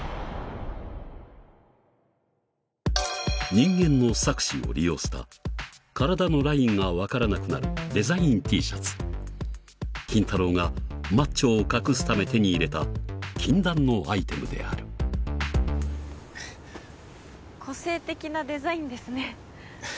人間の錯視を利用した体のラインが分からなくなるデザインＴシャツ筋太郎がマッチョを隠すため手に入れた禁断のアイテムである個性的なデザインですね。